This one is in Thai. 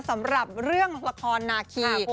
สำหรับเรื่องละครนาคี